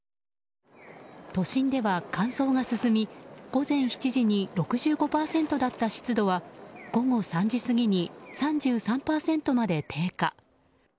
都心では乾燥が進み、午前７時に６５％だった湿度は午後３時過ぎに３３％まで低下。